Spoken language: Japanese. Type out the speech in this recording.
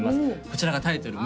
こちらがタイトル